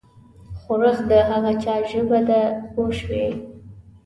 ښورښ د هغه چا ژبه ده پوه شوې!.